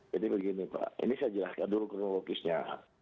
jadi begini pak ini saya jelaskan dulu kronologisnya